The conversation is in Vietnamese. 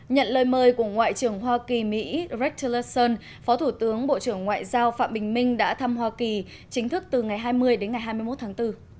nhận lời mời của ngoại trưởng hoa kỳ mỹ rech teleson phó thủ tướng bộ trưởng ngoại giao phạm bình minh đã thăm hoa kỳ chính thức từ ngày hai mươi đến ngày hai mươi một tháng bốn